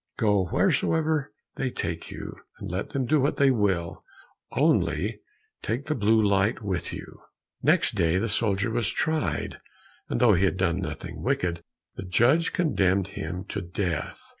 "Go wheresoever they take you, and let them do what they will, only take the blue light with you." Next day the soldier was tried, and though he had done nothing wicked, the judge condemned him to death.